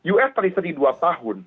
us treasury dua tahun